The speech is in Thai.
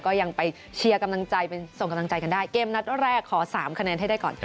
ก็ยังไปเชียร์กำลังใจไปส่งกำลังใจกันได้เกมนัดแรกขอ๓คะแนนให้ได้ก่อน